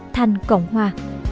thành cộng hòa